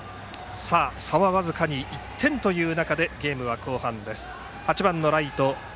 差は僅かに１点という中でゲームは後半です。